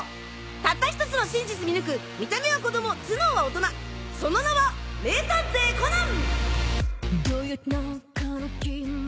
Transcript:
たった１つの真実見抜く見た目は子供頭脳は大人その名は名探偵コナン！